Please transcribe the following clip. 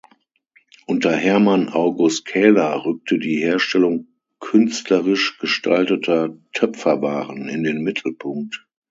Unter Herman August Kähler rückte die Herstellung künstlerisch gestalteter Töpferwaren in den Mittelpunkt.